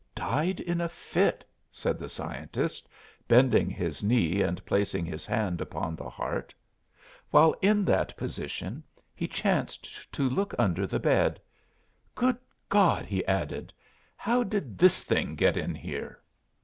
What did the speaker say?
"Died in a fit," said the scientist, bending his knee and placing his hand upon the heart. While in that position, he chanced to look under the bed. "Good God!" he added, "how did this thing get in here?"